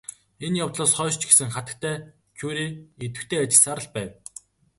Энэ явдлаас хойш ч гэсэн хатагтай Кюре идэвхтэй ажилласаар л байв.